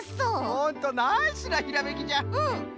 ほんとナイスなひらめきじゃ！